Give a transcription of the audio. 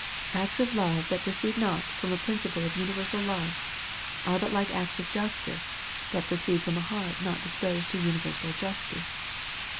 x\cts of love that proceed not from a principle of universal love, are but like acts of justice, that proceed from a heart not disposed to universal justice.